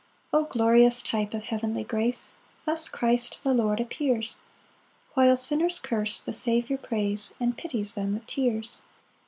5 O glorious type of heavenly grace! Thus Christ the Lord appears; While sinners curse, the Saviour prays, And pities them with tears.